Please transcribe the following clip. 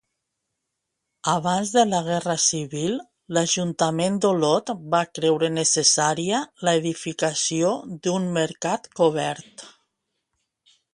Abans de la Guerra Civil, l'ajuntament d'Olot va creure necessària l'edificació d'un mercat cobert.